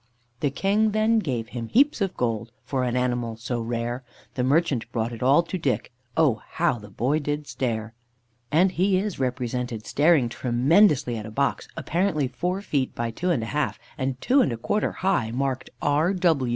"The King then gave him heaps of gold For an animal so rare; The merchant brought it all to Dick, Oh, how the boy did stare!" (And he is represented staring tremendously at a box, apparently four feet by two and a half, and two and a quarter high, marked "R.